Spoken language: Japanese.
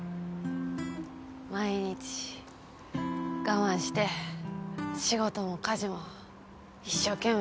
毎日我慢して仕事も家事も一生懸命やった。